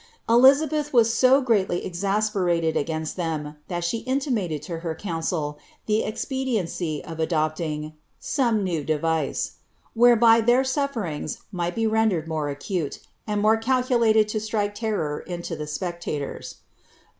Elizabeth was so greatly ensperated against them, that she intimated to her council the expe diency of adopting ^' some new device." whereby their sufferings might be rendered more acute, and more calculated to strike terror into the ■pectators.